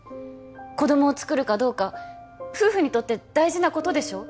子供をつくるかどうか夫婦にとって大事なことでしょ？